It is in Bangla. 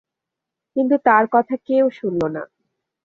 কিন্তু তার কথা কেউ শুনল না।